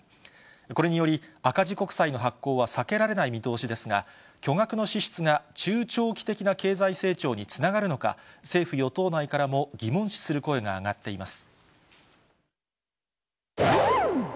これにより、赤字国債の発行は避けられない見通しですが、巨額の支出が中長期的な経済成長につながるのか、政府・与党内からも疑問視する声が上がっています。